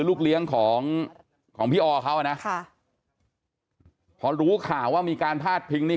ลูกเลี้ยงของพี่ออเขานะพอรู้ข่าวว่ามีการพลาดพิงนี้